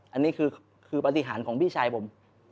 อันนี้คือปฏิหารของพี่ชายผม